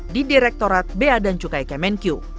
di direktorat beadan cukai kemenku